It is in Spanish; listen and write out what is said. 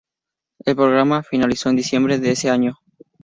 El programa finalizó en diciembre de ese año.